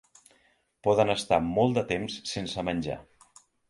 Poden estar molt de temps sense menjar.